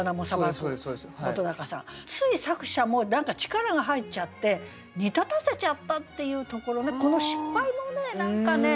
つい作者も何か力が入っちゃって煮立たせちゃったっていうところのこの失敗もね何かね。